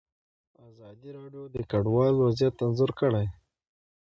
ازادي راډیو د کډوال وضعیت انځور کړی.